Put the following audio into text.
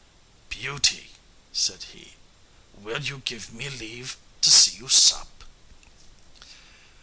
"Beauty," said he, "will you give me leave to see you sup?"